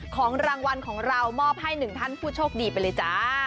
ของรางวัลของเรามอบให้หนึ่งท่านผู้โชคดีไปเลยจ้า